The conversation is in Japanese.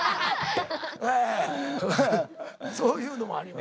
ええそういうのもあります。